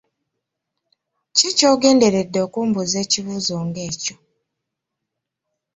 Ki ky'ogenderedde okumbuuza ekibuuzo nga ekyo?